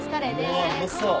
うわっうまそう。